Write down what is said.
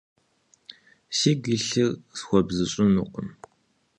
Сигу илъыр схуэбзыщӀынукъым…